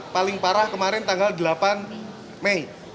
paling parah kemarin tanggal delapan mei